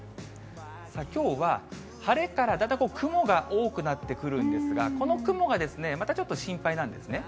きょうは、晴れからだんだん雲が多くなってくるんですが、この雲がまたちょっと心配なんですね。